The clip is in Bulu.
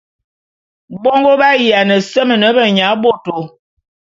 Bongo ba’ayiana seme beyaboto.